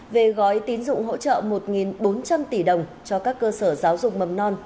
về gói tín dụng hỗ trợ một bốn trăm linh tỷ đồng cho các cơ sở giáo dục mầm non